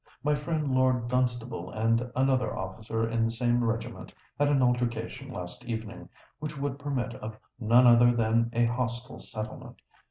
My friend Lord Dunstable and another officer in the same regiment had an altercation last evening, which would permit of none other than a hostile settlement.